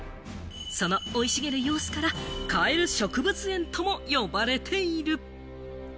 その生い茂る様子から、買える植物園とも呼ばれている。